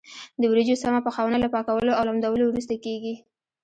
د وریجو سمه پخونه له پاکولو او لمدولو وروسته کېږي.